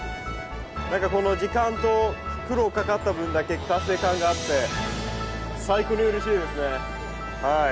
なんかこの時間と苦労かかった分だけ達成感があって最高にうれしいですねはい。